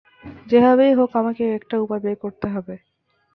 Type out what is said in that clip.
যেভাবেই হোক আমাকে একটা উপায় বের করতে হবে।